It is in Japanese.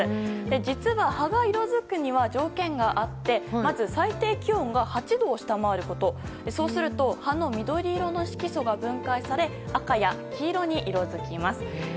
実は、葉が色づくのには条件があって最低気温が８度を下回ることそうすると葉の緑色の色素が分解され赤や黄色に色づきます。